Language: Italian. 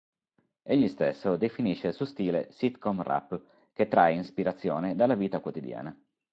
Egli stesso definisce il suo stile "Sitcom Rap", che trae ispirazione dalla vita quotidiana.